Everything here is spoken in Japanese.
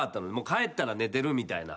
帰ったら寝てるみたいな。